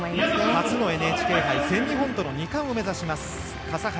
初のＮＨＫ杯全日本との２冠を目指す笠原。